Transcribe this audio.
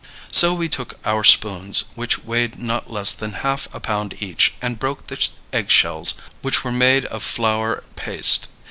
So we took our spoons, which weighed not less than half a pound each, and broke the egg shells, which were made of flour paste.